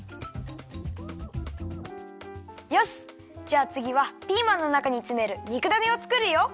じゃあつぎはピーマンのなかにつめる肉だねをつくるよ！